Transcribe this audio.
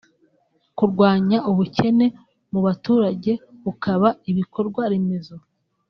kurwanya ubukene mu baturage kubaka ibikorwa remezo